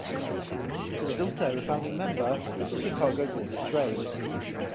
He was also a founding member of the Chicago Board of Trade.